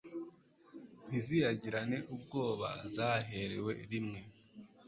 Ntiziyagirane ubwoba Zayaherewe rimwe